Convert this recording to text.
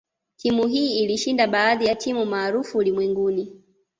Timu hii ilishinda baadhi ya timu maarufu ulimwenguni